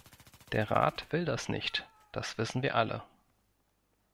Der Rat will das nicht, das wissen wir alle.